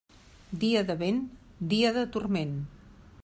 Dia de vent, dia de turment.